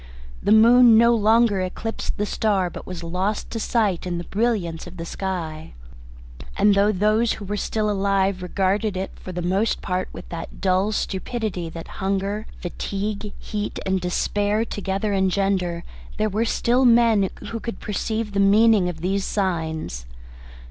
The moon no longer eclipsed the star but was lost to sight in the brilliance of the sky. And though those who were still alive regarded it for the most part with that dull stupidity that hunger, fatigue, heat and despair engender, there were still men who could perceive the meaning of these signs.